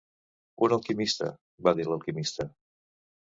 "Un alquimista", va dir l'alquimista.